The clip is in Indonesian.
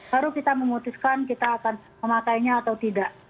baru kita memutuskan kita akan memakainya atau tidak